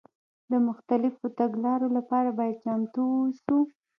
د مختلفو تګلارو لپاره باید چمتو واوسو.